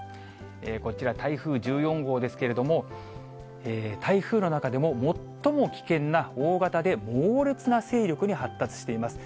こちら、台風１４号ですけれども、台風の中でも最も危険な大型で猛烈な勢力に発達しています。